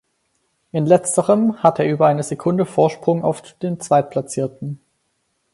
In letzterem hatte er über eine Sekunde Vorsprung auf den Zweitplatzierten.